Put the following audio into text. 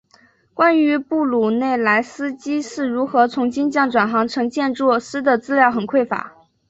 关于布鲁内莱斯基是如何从金匠转行成建筑师的资料很匮乏。